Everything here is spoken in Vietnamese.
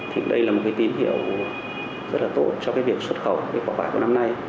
thì đây là một tín hiệu rất là tội cho việc xuất khẩu quả vải của năm nay